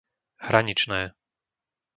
Hraničné